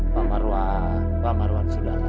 pak marwan pak marwan sudarta